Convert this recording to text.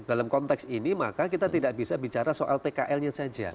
dalam konteks ini maka kita tidak bisa bicara soal pkl nya saja